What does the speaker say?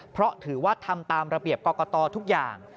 เพราะถือว่าทำตามระเบียบกรกตทุกอย่าง